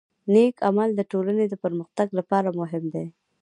نیک عمل د ټولنې د پرمختګ لپاره مهم دی.